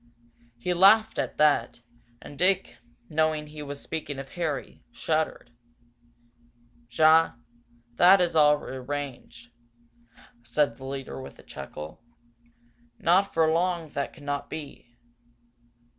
He laughed at that, and Dick, knowing he was speaking of Harry, shuddered. "Ja, that is all arranged," said the leader, with a chuckle. "Not for long that could not be.